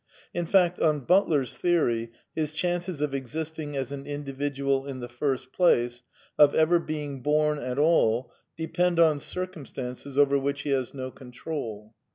In fact, on Butler's theory, his chances of exist ing as an individual in the first place, of ever being born at all, depend on circumstances over which he has no con trol.